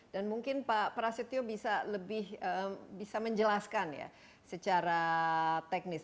dan mungkin pak prasetyo bisa lebih bisa menjelaskan ya secara teknis